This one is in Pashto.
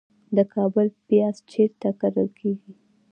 د کابل پیاز چیرته کرل کیږي؟